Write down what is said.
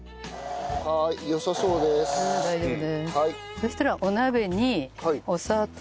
そしたらお鍋にお砂糖と。